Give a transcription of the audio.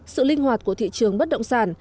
sự linh hoạt của thị trường bất động sản